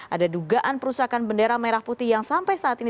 ada dugaan perusakan bendera merah putih yang sampai saat ini